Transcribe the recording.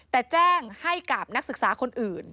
แต่แจ้งให้กับนักศึกษาคนอื่น